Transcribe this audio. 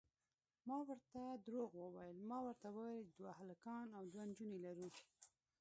ما ورته درواغ وویل، ما ورته وویل دوه هلکان او دوې نجونې لرو.